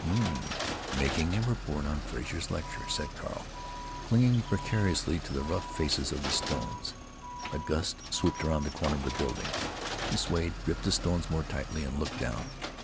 "Um! Making a report on Frazer's lecture," said Carl, clinging precariously to the rough faces of the stones. A gust swooped around the corner of the building. He swayed, gripped the stones more tightly, and looked down.